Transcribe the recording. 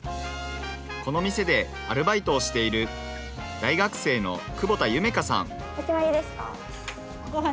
この店でアルバイトをしているお決まりですか？